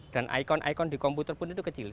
dan ikon ikon di komputer pun itu kecil